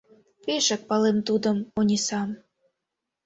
Пешак палем тудым, Онисам...